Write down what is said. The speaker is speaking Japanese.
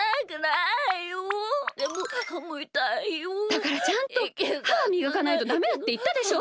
だからちゃんとははみがかないとダメだっていったでしょ！